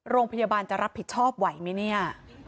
โรงพยาบาลจะรับผิดชอบไหวไหมเนี่ย